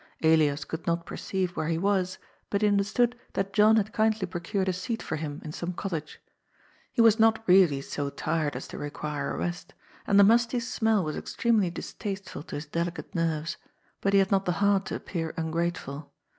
Elias could not perceive where he was, but he under stood that John had kindly procured a seat for him in some cottage. He was not really so tired as to require a rest, and the musiy smell was extremely distasteful to his delicate nerves, but he had not the heart to appear ungrateful.